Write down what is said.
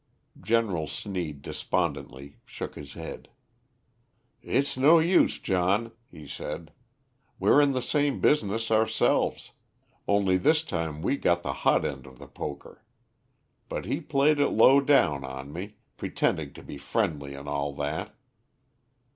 General Sneed despondently shook his head. "It's no use, John," he said. "We're in the same business ourselves, only this time we got the hot end of the poker. But he played it low down on me, pretending to be friendly and all that."